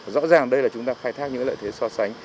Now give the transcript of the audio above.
rõ ràng đây là chúng ta khai thác những lợi thế so sánh